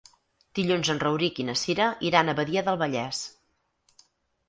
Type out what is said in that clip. Dilluns en Rauric i na Cira iran a Badia del Vallès.